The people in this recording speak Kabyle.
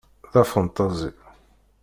D afenṭazi.